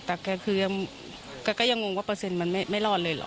แต่แกคือแกก็ยังงงว่าเปอร์เซ็นต์มันไม่รอดเลยเหรอ